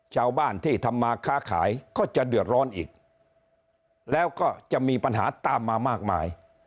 ชาวบ้านที่ทำมาค้าขายก็จะเดือดร้อนอีกแล้วก็จะมีปัญหาตามมามากมาย